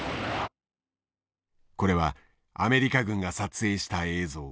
これはアメリカ軍が撮影した映像。